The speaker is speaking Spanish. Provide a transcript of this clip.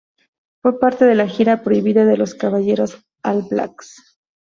Fue parte de la gira prohibida de los Caballeros All Blacks.